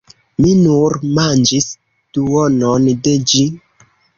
Mi nur manĝis duonon de ĝi!